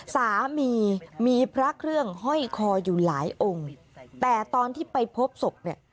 สามีมีพระเครื่องห้อยคออยู่หลายองค์แต่ตอนที่ไปพบศพเนี่ย